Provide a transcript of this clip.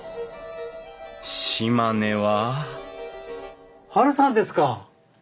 島根はハルさんですか！？